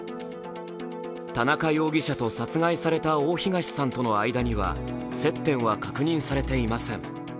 田中容疑者と殺害された大東さんとの間には接点は確認されていません。